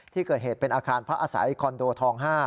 ที่เกิดเหตุเป็นอาคารพักอาศัยคอนโดทอง๕